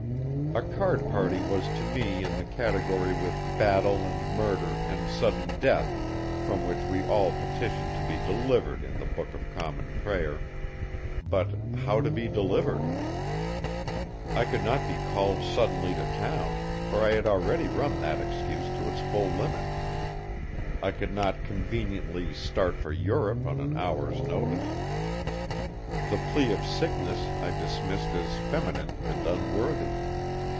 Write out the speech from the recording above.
A card party was to me in the category with battle and murder and sudden death, from which we all petition to be delivered in the book of common prayer but how to be delivered? I could not be called suddenly to town, for I had already run that excuse to its full limit. I could not conveniently start for Europe on an hour's notice. The plea of sickness I dismissed as feminine and unworthy.